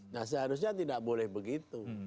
nah seharusnya tidak boleh begitu